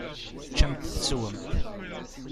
Ččemt teswemt.